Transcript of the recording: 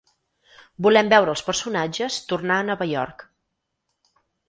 Volem veure els personatges tornar a Nova York.